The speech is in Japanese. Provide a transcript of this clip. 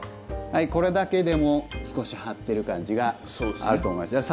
これだけでも少し張ってる感じがあると思います。